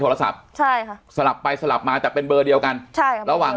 โทรศัพท์ใช่ค่ะสลับไปสลับมาแต่เป็นเบอร์เดียวกันใช่ครับระหว่าง